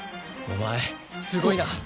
お前すごいな。